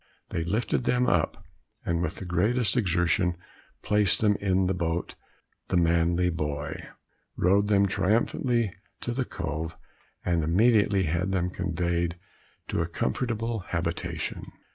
They lifted them up, and with the greatest exertion placed them in the boat, the MANLY BOY rowed them triumphantly to the Cove, and immediately had them conveyed to a comfortable habitation.